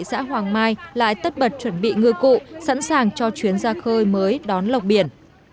ngư dân ở thị xã hoàng mai lại tất bật chuẩn bị ngư cụ sẵn sàng cho chuyến ra khơi mới đón lọc biển